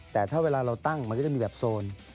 แต่ถ้าเวลาเราตั้งมันก็จะมีแบบโซน